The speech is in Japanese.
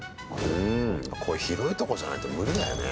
こういう広いとこじゃないと無理だよね。